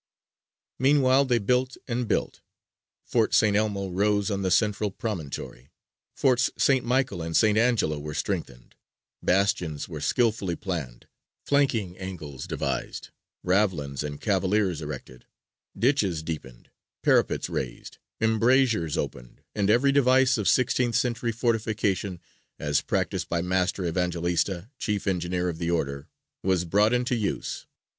Meanwhile they built and built; Fort St. Elmo rose on the central promontory, Forts St. Michael and St. Angelo were strengthened; bastions were skilfully planned, flanking angles devised, ravelins and cavaliers erected, ditches deepened, parapets raised, embrasures opened, and every device of sixteenth century fortification as practised by Master Evangelista, chief engineer of the Order, was brought into use.